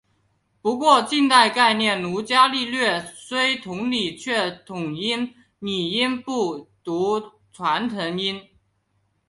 不过近代概念如伽利略虽同理却统读拟音不读传承音。